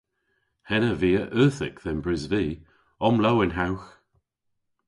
Henn a via euthyk dhe'm brys vy. Omlowenhewgh!